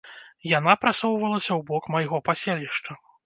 Яна прасоўвалася ў бок майго паселішча.